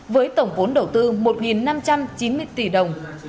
với tổng vốn đầu tư một năm trăm chín mươi tỷ đồng